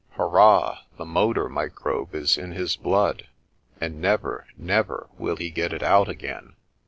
" Hurrah, the motor microbe is in his blood, and never, never will he get it out again."